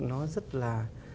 nó rất là